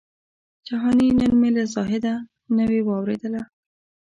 جهاني نن مي له زاهده نوې واورېدله